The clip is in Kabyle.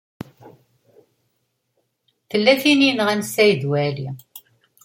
Tella tin i yenɣan Saɛid Waɛli.